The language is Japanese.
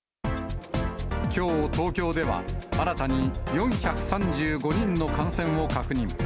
きょう東京では、新たに４３５人の感染を確認。